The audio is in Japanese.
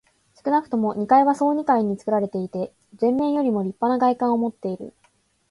少なくとも二階は総二階につくられていて、前面よりもりっぱな外観をもっている。